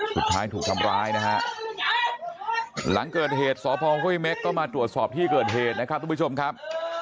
สุดท้ายถูกทำร้ายนะฮะหลังเกิดเหตุสพห้วยเม็กก็มาตรวจสอบที่เกิดเหตุนะครับทุกผู้ชมครับ